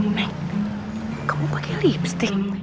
neng kamu pakai lipstick